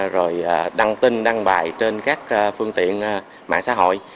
rồi đăng tin đăng bài trên các phương tiện mạng xã hội